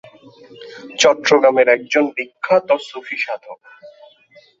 চট্টগ্রামের একজন বিখ্যাত সুফি সাধক।